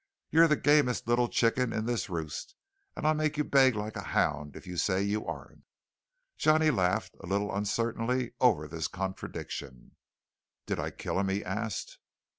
You're the gamest little chicken in this roost, and I'll make you beg like a hound if you say you aren't!" Johnny laughed a little uncertainly over this contradiction. "Did I kill him?" he asked.